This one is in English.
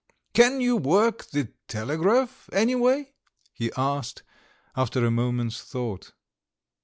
"Can you work the telegraph, any way?" he asked, after a moment's thought.